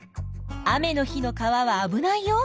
雨の日の川はあぶないよ。